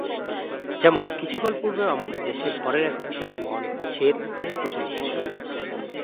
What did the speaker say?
যেমন: কিছুকাল পূর্বেও আমাদের দেশে ভরের একক হিসেবে মণ, সের ইত্যাদি প্রচলিত ছিল।